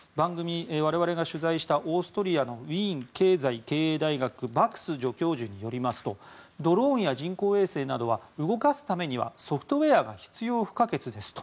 我々が取材したオーストリアのウィーン経済・経営大学バクス助教授によりますとドローンや人工衛星などは動かすためにはソフトウェアが必要不可欠ですと。